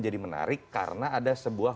jadi menarik karena ada sebuah